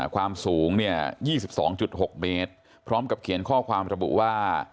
ความสูง๒๒๖เมตรพร้อมกับเขียนข้อความระบุว่า